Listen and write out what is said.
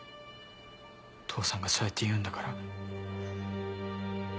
父さんがそうやって言うんだから。